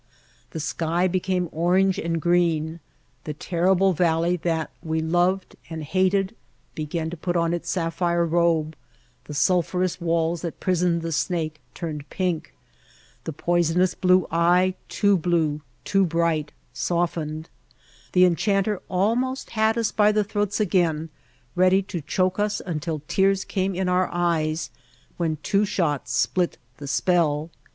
The sky became orange and green, the terrible valley that we loved and hated began to put on its sapphire robe, the sul phurous walls that prisoned the snake turned ['45] White Heart of Mojave pink, the poisonous blue eye, too blue, too bright, softened — the enchanter almost had us by the throats again, ready to choke us until tears came in our eyes, when two shots spilt the spell.